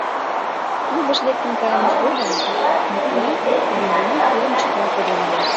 Клубыш лектын кайымыж годым Мӱклай лӱмынак тулым чыкен коден ыле.